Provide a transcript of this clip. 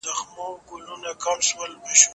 شاه محمود د خپلې خاورې د آزادۍ لپاره پاڅون وکړ.